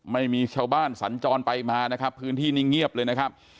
ไม่มีชาวบ้านสัญจรไปมานะครับพื้นที่นี้เงียบเลยนะครับ